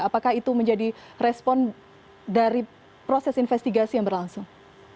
apakah itu menjadi respon dari proses investigasi yang berlangsung